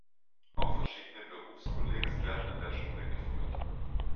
Auch verschiedene Berufskollegs werden an der Schule geführt.